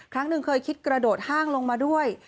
ครั้งหนึ่งเคยคิดกระโดดห้างลงมาด้วย